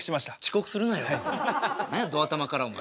何やど頭からお前。